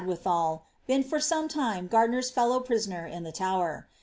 withal, been for some time Gardiner's fellow prisoner in the Tower.